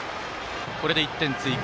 これで１点追加